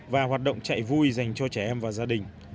và hoạt động chạy vui dành cho trẻ em và gia đình